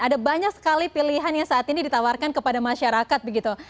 ada banyak sekali pilihan yang saat ini ditawarkan kepada masyarakat begitu